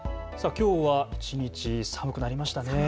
きょうは一日寒くなりましたね。